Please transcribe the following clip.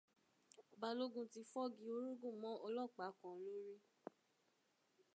Balógun ti fọ́gi orógùn mọ́ ọlọ́pàá kan lórí